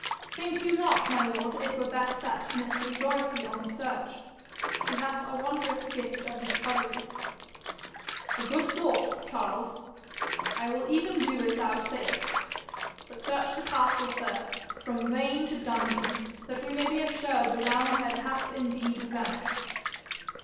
'Think you not, my lord, it were best set mistress Dorothy on the search? She hath a wondrous gift of discovery.' 'A good thought, Charles! I will even do as thou sayest. But search the castle first, from vane to dungeon, that we may be assured the roundhead hath indeed vanished.'